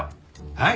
はい！